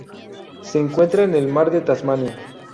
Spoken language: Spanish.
Se encuentra en el Mar de Tasmania.